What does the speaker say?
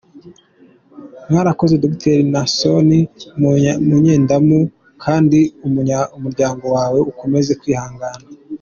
Warakoze Dr Naasson Munyandamutsa, kandi umuryango wawe ukomeze kwihangana.